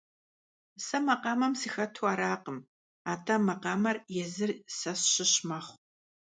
Сэ макъамэм сыхэту аракъым, атӀэ макъамэр езыр сэ сщыщ мэхъу.